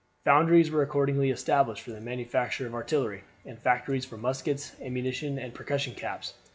Foundries were accordingly established for the manufacture of artillery, and factories for muskets, ammunition, and percussion caps.